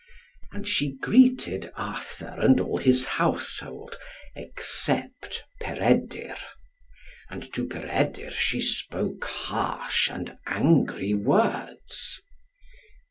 And she greeted Arthur and all his household, except Peredur. And to Peredur she spoke harsh and angry words.